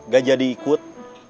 gak jadi ikut